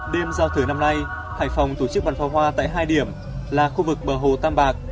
đêm giao thừa năm nay hải phòng tổ chức bàn pháo hoa tại hai điểm là khu vực bờ hồ tam bạc